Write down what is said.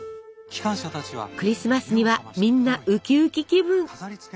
クリスマスにはみんなウキウキ気分！